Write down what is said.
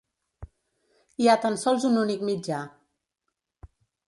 Hi ha tan sols un únic mitjà.